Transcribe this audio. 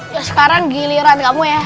ya sekarang giliran kamu ya